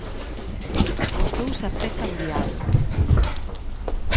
Os dous a pé cambiado.